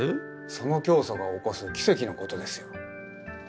その教祖が起こす奇跡のことですよ。